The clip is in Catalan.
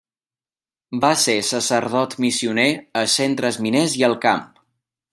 Va ser sacerdot missioner a centres miners i al camp.